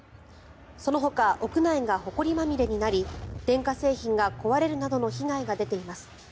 そのほか屋内がほこりまみれになり電化製品が壊れるなどの被害が出ています。